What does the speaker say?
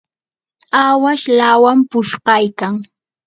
awash lawam pushqaykan.